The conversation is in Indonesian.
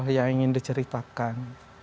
yang ingin diceritakan